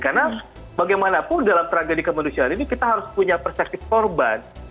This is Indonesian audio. karena bagaimanapun dalam tragedi kemanusiaan ini kita harus punya perseksi korban